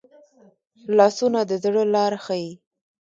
لاسونه د زړه لاره ښيي